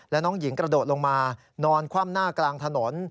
แล้วน้องหญิงกระโดดลงมานอนคว่ำหน้ากลางถนน